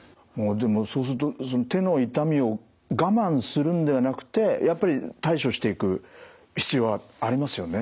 でもそうすると手の痛みを我慢するんではなくてやっぱり対処していく必要はありますよね。